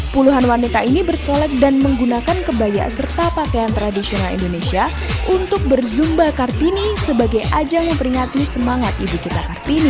puluhan wanita ini bersolek dan menggunakan kebaya serta pakaian tradisional indonesia untuk berzumba kartini sebagai ajang memperingati semangat ibu kita kartini